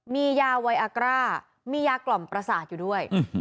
มียาไวอากร่ามียากล่อมประสาทอยู่ด้วย